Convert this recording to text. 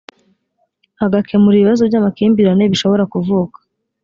agakemura ibibazo by amakimbirane bishobora kuvuka